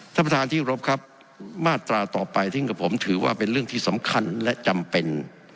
ท่านประธานที่รบครับมาตราต่อไปทิ้งกับผมถือว่าเป็นเรื่องที่สำคัญและจำเป็น